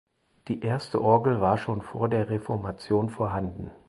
Die erste Orgel war schon vor der Reformation vorhanden.